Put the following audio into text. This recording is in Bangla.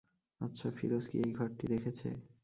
আচ্ছা, ফিরোজ কি এই ঘরটি দেখেছে?